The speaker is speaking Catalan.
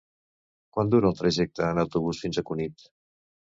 Quant dura el trajecte en autobús fins a Cunit?